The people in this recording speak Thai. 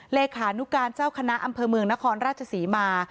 เลขานุการเจ้าคณะอำเภอเมืองนครราชศรีมา